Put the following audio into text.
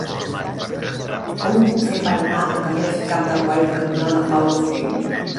Com ho puc fer per anar al carrer Cap de Guaita cantonada Paulo Freire?